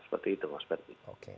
seperti itu mas berti